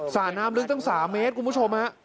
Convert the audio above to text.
ระน้ำลึกตั้ง๓เมตรคุณผู้ชมฮะ